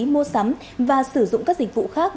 mua sắm và sử dụng các dịch vụ khác